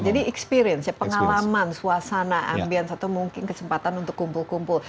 jadi experience ya pengalaman suasana ambience atau mungkin kesempatan untuk kumpul kumpul